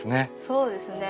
そうですね。